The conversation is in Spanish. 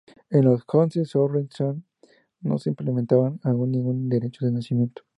En los Hohenzollern no se implementaba aún ningún derecho de nacimiento.